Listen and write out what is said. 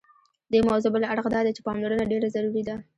دې موضوع بل اړخ دادی چې پاملرنه ډېره ضروري ده.